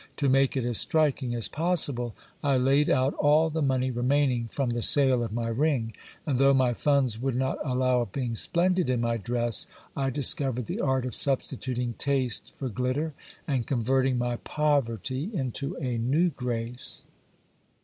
To make it as striking as possible, I laid out all the money remaining from the sale of my ring ; and though my funds would not allow of being splendid in my dress, I discovered the art of substituting taste for glitter, and converting my poverty into a new grace.